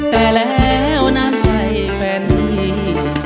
แต่แล้วน้ำใจแฟนนี้